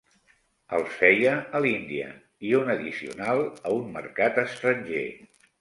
Els feia a l'Índia i un addicional a un mercat estranger.